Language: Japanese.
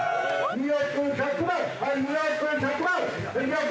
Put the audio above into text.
２億２００万。